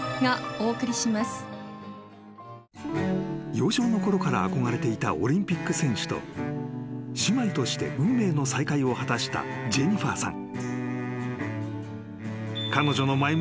［幼少のころから憧れていたオリンピック選手と姉妹として運命の再会を果たしたジェニファーさん］